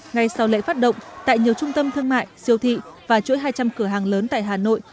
ngay sau lễ phát động tại nhiều trung tâm thương mại siêu thị và chuỗi hai trăm linh cửa hàng lớn tại hà nội